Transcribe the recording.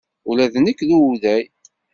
Ula d nekk d uday.